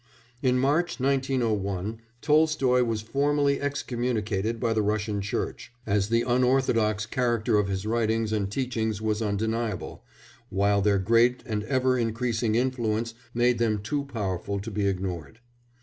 In March 1901 Tolstoy was formally excommunicated by the Russian Church, as the unorthodox character of his writings and teachings was undeniable, while their great and ever increasing influence made them too powerful to be ignored.